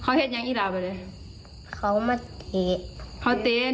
เขาเห็นยังอีหร่าไปเลยเขามันเต๊ะเขาเต๊ะตัวไหน